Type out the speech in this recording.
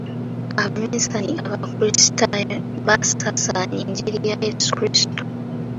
Abaminsani abakrisitaayo baasaasaanya engiri ya yesu kristo.